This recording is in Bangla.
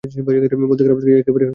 বলতে খারাপ লাগছে, একেবারেই অসম্ভব।